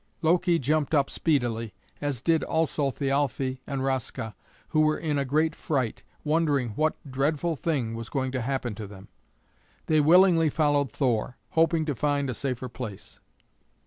Loki jumped up speedily, as did also Thialfe and Raska, who were in a great fright, wondering what dreadful thing was going to happen to them. They willingly followed Thor, hoping to find a safer place.